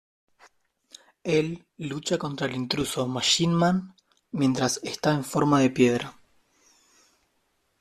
Él lucha contra el intruso Machine Man mientras está en forma de piedra.